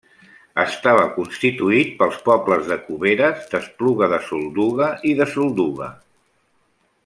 Estava constituït pels pobles de Cuberes, d'Espluga de Solduga i de Solduga.